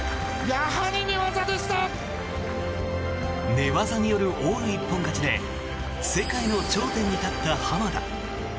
寝技によるオール一本勝ちで世界の頂点に立った濱田。